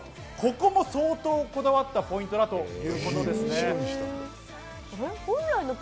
ここも相当こだわったポイントだということです。